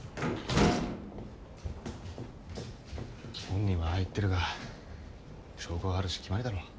本人はああ言ってるが証拠はあるし決まりだろ。